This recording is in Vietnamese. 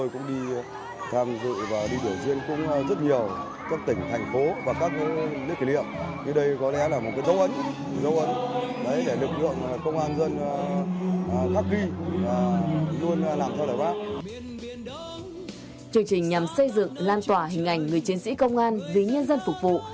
chương trình nhằm xây dựng lan tỏa hình ảnh người chiến sĩ công an vì nhân dân phục vụ